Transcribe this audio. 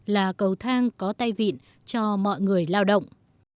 là cầu thang có tay vịn cho mọi người lao động